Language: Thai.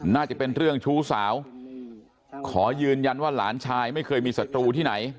น่าจะเป็นเรื่องชู้สาวขอยืนยันว่าหลานชายไม่เคยมีศัตรูที่ไหน